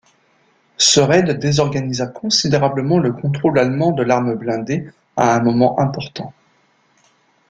Ce raid désorganisa considérablement le contrôle allemand de l'arme blindée à un moment important.